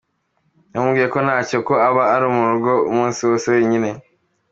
Yamubwiye ko ntacyo, ko aba ari mu rugo umunsi wose wenyine.